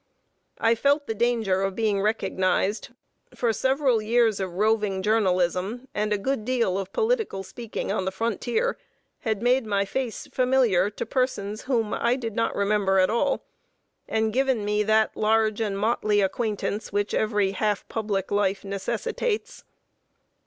I felt the danger of being recognized; for several years of roving journalism, and a good deal of political speaking on the frontier, had made my face familiar to persons whom I did not remember at all, and given me that large and motley acquaintance which every half public life necessitates.